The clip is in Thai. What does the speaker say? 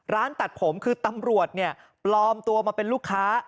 ร้านตัดผมคือตำรวจปลอมตัวมาเป็นลูกค้า